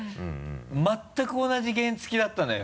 全く同じ原付だったのよ